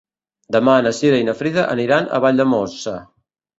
Demà na Cira i na Frida aniran a Valldemossa.